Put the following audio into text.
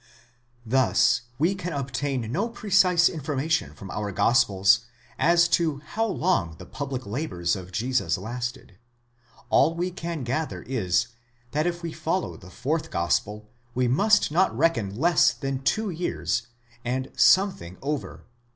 }8 Thus we can obtain no precise information from our gospels as to how long the public labours of Jesus lasted ; all we can gather is, that if we follow the fourth gospel we must not reckon less than two years and something over.